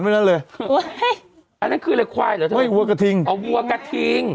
ไหมนั่นเลยอันนั้นคืออะไรควายเหรอเธอไม่วัวกระทิงอ๋อวัวกระทิง